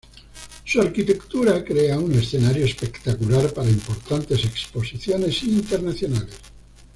Su arquitectura crea un escenario espectacular para importantes exposiciones internacionales.